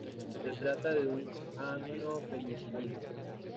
Se trata de una amino penicilina.